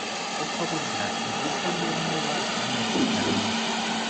kuko burya ziva mu yo muba mwizigamye